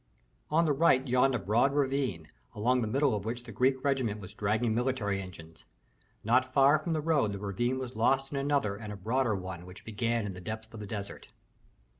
On the right yawned a broad ravine, along the middle of which the Greek regiment was dragging military engines. Not far from the road the ravine was lost in another and a broader one which began in the depth of the desert.